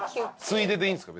ついででいいです。